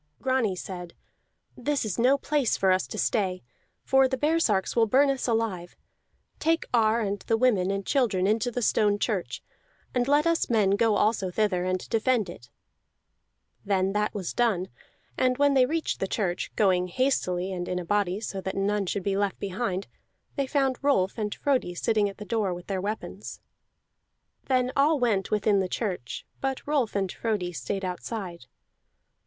Grani said: "This is no place for us to stay, for the baresarks will burn us alive. Take Ar and the women and children into the stone church, and let us men go also thither and defend it." Then that was done; and when they reached the church, going hastily and in a body so that none should be left behind, they found Rolf and Frodi sitting at the door, with their weapons. Then all went within the church, but Rolf and Frodi stayed outside.